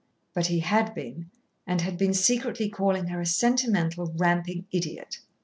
But he had been, and had been secretly calling her a sentimental, ramping idiot.